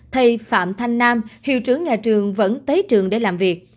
thầy phạm thanh nam hiệu trưởng nhà trường vẫn tới trường để làm việc